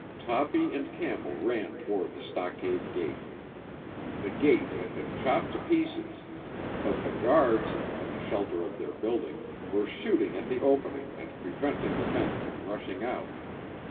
Toppy and Campbell ran toward the stockade gate. The gate had been chopped to pieces, but the guards, from the shelter of their building, were shooting at the opening and preventing the men from rushing out.